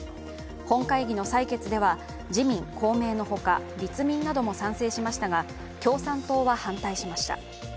本会議の採決では自民・公明の他、立民なども賛成しましたが共産党は反対しました。